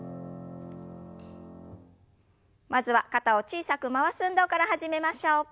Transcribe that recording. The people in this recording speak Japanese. まずは肩を小さく回す運動から始めましょう。